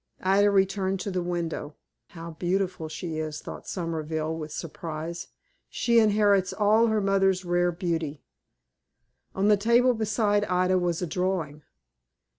Ida returned to the window. "How beautiful she is!" thought Somerville, with surprise. "She inherits all her mother's rare beauty." On the table beside Ida was a drawing.